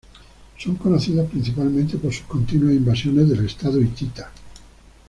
Son conocidos principalmente por sus continuas invasiones del Estado hitita.